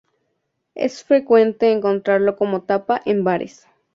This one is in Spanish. Es frecuente encontrarlo como tapa en bares.